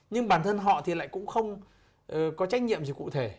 nhưng bản thân họ thì lại cũng không có trách nhiệm gì cụ thể